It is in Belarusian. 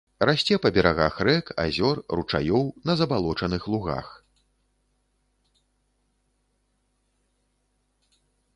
Расце па берагах рэк, азёр, ручаёў, на забалочаных лугах.